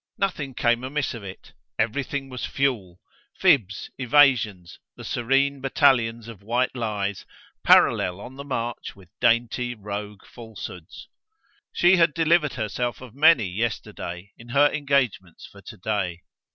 Nothing came amiss to it, everything was fuel; fibs, evasions, the serene battalions of white lies parallel on the march with dainty rogue falsehoods. She had delivered herself of many yesterday in her engagements for to day.